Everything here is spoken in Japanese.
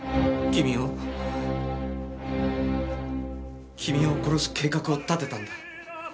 君を君を殺す計画を立てたんだ。